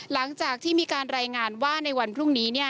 หลังจากที่มีการรายงานว่าในวันพรุ่งนี้เนี่ย